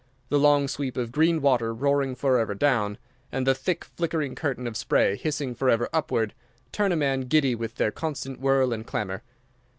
The long sweep of green water roaring forever down, and the thick flickering curtain of spray hissing forever upward, turn a man giddy with their constant whirl and clamour.